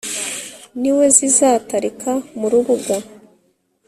niwe zizatarika mu rubuga